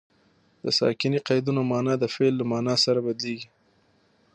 د ساکني قیدونو مانا د فعل له مانا سره بدلیږي.